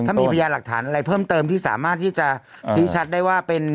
ถ้ามีพยานหลักฐานอะไรเพิ่มเติมที่สามารถที่จะชี้ชัดได้ว่าเป็น